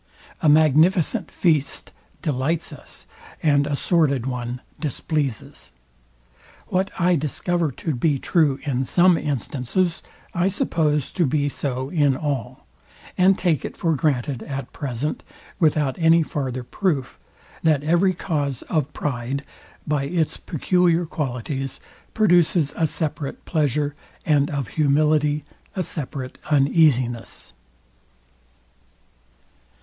A magnificent feast delights us, and a sordid one displeases. What I discover to be true in some instances, I suppose to be so in all; and take it for granted at present, without any farther proof, that every cause of pride, by its peculiar qualities, produces a separate pleasure, and of humility a separate uneasiness.